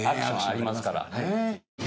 ありますから。